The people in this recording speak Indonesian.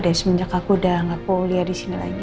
sebenernya aku udah gak boleh liat disini lagi